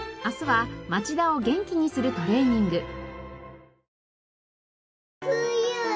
明日は町田を元気にするトレーニング。